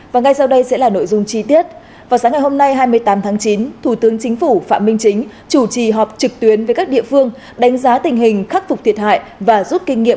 các bạn hãy đăng ký kênh để ủng hộ kênh của chúng mình nhé